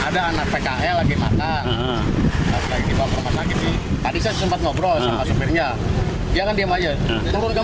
dan dua warung di pinggir jalan